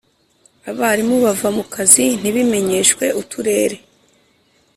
abarimu bava mu kazi ntibimenyeshwe uturere,